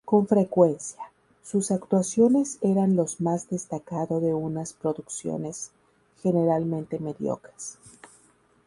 Con frecuencia, sus actuaciones eran los más destacado de unas producciones generalmente mediocres.